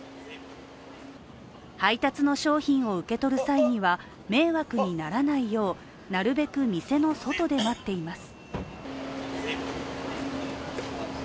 配達の商品を受け取る際には迷惑にならないようなるべく店の外で待っています。